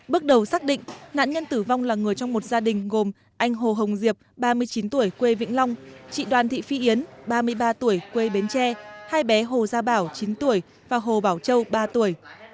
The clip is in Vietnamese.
bước đầu xác định nạn nhân tử vong là người trong một gia đình gồm anh hồ hồng diệp ba mươi chín tuổi quê vĩnh long chị đoàn thị phi yến ba mươi ba tuổi quê bến tre hai bé hồ gia bảo chín tuổi và hồ bảo châu ba tuổi